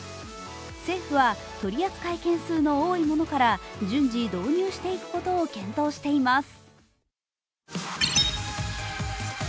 政府は取り扱い件数の多いものから順次、導入していくことを検討しています。